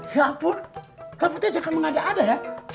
ya ampun kamu tidak jangan mengada ada ya